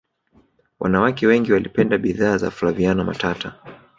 wanawake wengi walipenda bidhaa za flaviana matata